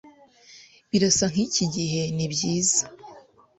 Birasa nkiki gihe nibyiza.